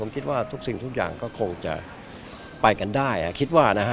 คิดว่าทุกสิ่งทุกอย่างก็คงจะไปกันได้คิดว่านะฮะ